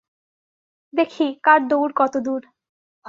দেখি কার দৌড় কতদূর?